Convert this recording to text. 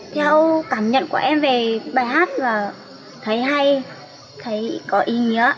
theo cảm nhận của em về bài hát và thấy hay thấy có ý nghĩa